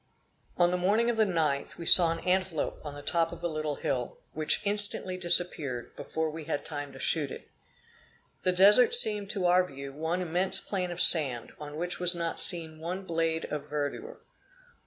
On the morning of the 9th, we saw an antelope on the top of a little hill, which instantly disappeared, before we had time to shoot it. The Desert seemed to our view one immense plain of sand, on which was seen not one blade of verdure.